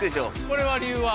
これは理由は？